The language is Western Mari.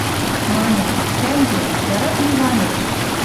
Маньым: «Тӓнгем, яратым Иваныч!